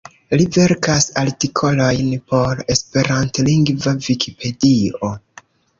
Li verkas artikolojn por esperantlingva Vikipedio.